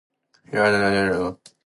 一二三跳！跳进染缸！